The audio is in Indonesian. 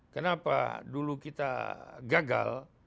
kenapa dulu kita gagal